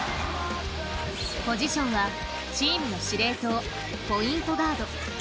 ポジションは、チームの司令塔ポイントガード。